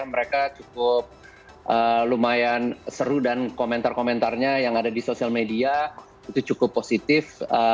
mereka cukup lumayan seru dan komentar komentarnya yang ada di sosial media itu cukup positif